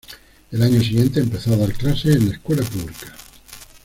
El año siguiente empezó a dar clases en la escuela pública.